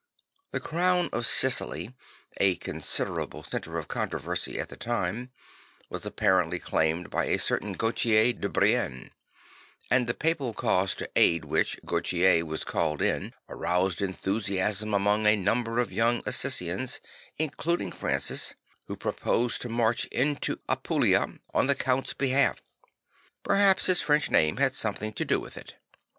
The crown of Sicily, a consider able centre of controversy at the time, was appar ently claimed by a certain Gauthier de Brienne, and the Papal cause to aid which Gauthier was called in aroused enthusiasm among a number of young Assisians, including Francis, who pro posed to march into Apulia on the count's behalf J perhaps his French name had something to do with it.